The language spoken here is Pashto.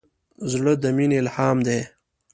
زړه د مینې الهام دی.